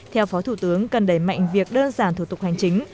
theo phó thủ tướng cần đẩy mạnh việc đơn giản thủ tục hành chính